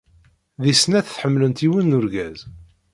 Deg snat ḥemmlent yiwen n urgaz.